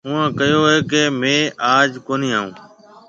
اُوئون ڪهيَو ڪي ميه آج ڪوني آئون۔